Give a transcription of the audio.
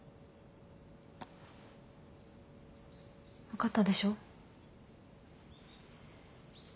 分かったでしょ？